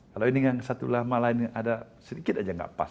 kalau ini yang satu lama malah ini yang ada sedikit aja gak pas